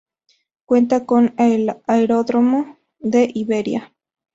Cuenta con el Aeródromo de Iberia.